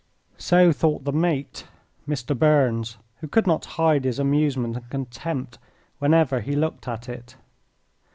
So thought the mate, Mr. Burns, who could not hide his amusement and contempt whenever he looked at it.